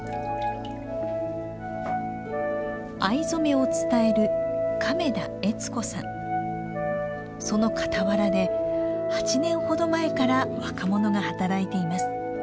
藍染めを伝えるその傍らで８年ほど前から若者が働いています。